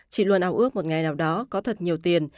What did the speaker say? chị luôn ao ước một ngày nào đó có thật nhiều tiền